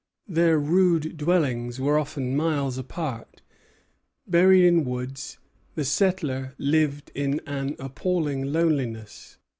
Their rude dwellings were often miles apart. Buried in woods, the settler lived in an appalling loneliness.